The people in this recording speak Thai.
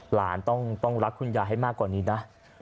หลานต้องรักคุณยายให้มากกว่านี้นะ